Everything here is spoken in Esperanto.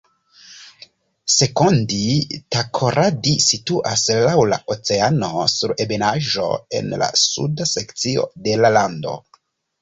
Sekondi-Takoradi situas laŭ la oceano sur ebenaĵo en la suda sekcio de la lando.